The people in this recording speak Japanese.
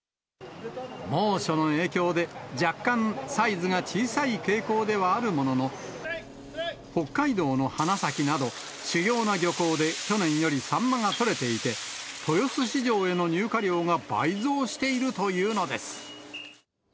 猛暑の影響で、若干サイズが小さい傾向ではあるものの、北海道の花咲など、主要な漁港で去年よりサンマが取れていて、豊洲市場への入荷が倍増しているというのです。